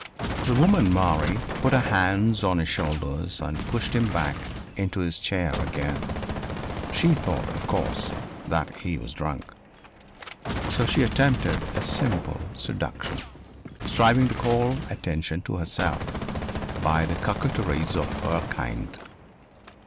The woman Marie put her hands on his shoulders and pushed him back into his chair again. She thought, of course, that he was drunk. So she attempted a simple seduction, striving to call attention to herself by the coquetries of her kind.